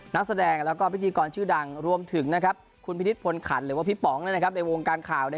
นักแสดงแล้วก็พิธีกรชื่อดังรวมถึงคุณพินิษฐพลขันหรือว่าพี่ป๋องในวงการข่าว